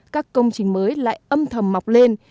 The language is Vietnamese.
các công trình mới lại âm thầm mọc lên